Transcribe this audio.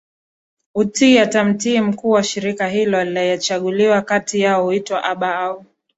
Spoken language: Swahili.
Utii atamtii mkuu wa shirika hilo aliyechaguliwa kati yao huitwa Abba au